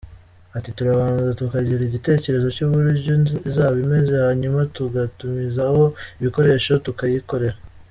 Ati” Turabanza tukagira igitekerezo cy’uburyo izaba imeze, hanyuma tugatumizaho ibikoresho tukayikorera.